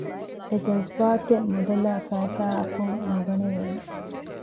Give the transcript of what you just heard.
އެޖަޒްބާތެއް މުދަލާއި ފައިސާއަކުން ނުގަނެވޭނެ